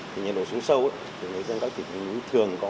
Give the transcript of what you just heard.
thì nhiệt độ xuống sâu thì người dân có thể thường có